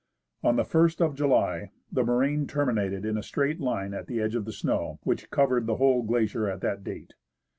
On the ist of July the moraine terminated in a straight line at the edge of the snow, which covered the whole glacier at that date.